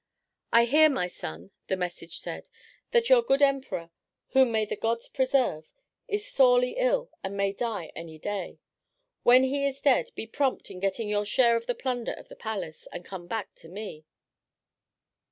"I hear, my son," the message said, "that your good emperor, whom may the gods preserve, is sorely ill and may die any day. When he is dead, be prompt in getting your share of the plunder of the palace and come back to me."